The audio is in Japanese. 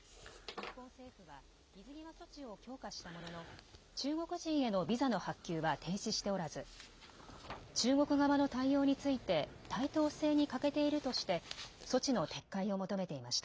日本政府は水際措置を強化したものの中国人へのビザの発給は停止しておらず中国側の対応について対等性に欠けているとして措置の撤回を求めていました。